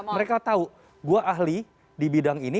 mereka tahu gue ahli di bidang ini